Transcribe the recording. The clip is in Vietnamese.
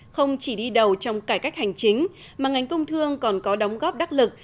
không chỉ đi đầu trong cải cách hành chính mà ngành công thương còn có đóng góp đắc lực